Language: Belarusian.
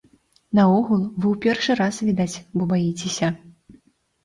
Наогул, вы ў першы раз, відаць, бо баіцеся.